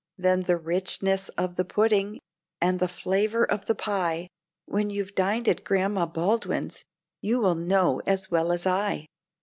Then the richness of the pudding, and the flavor of the pie, When you've dined at Grandma Baldwin's you will know as well as I.